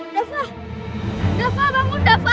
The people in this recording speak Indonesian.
dapah dapah bangun dapah